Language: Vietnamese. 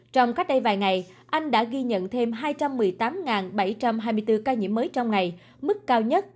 trong cách đây vài ngày anh đã ghi nhận thêm hai trăm một mươi tám bảy trăm hai mươi bốn ca nhiễm mới trong ngày mức cao nhất